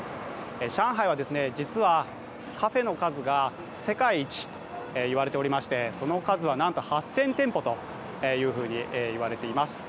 上海は、実はカフェの数が世界一と言われておりまして、その数はなんと８０００店舗というふうにいわれています。